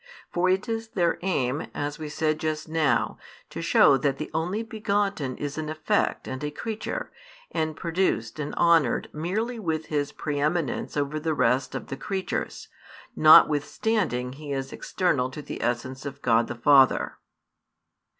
For it is their aim, as we said just now, to show that the Only begotten is an effect and a creature, and produced and honoured merely with His preeminence over the rest of the creatures, notwithstanding He is external to the essence of God the Father.